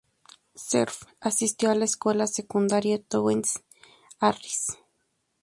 Cerf asistió a la escuela secundaria Townsend Harris.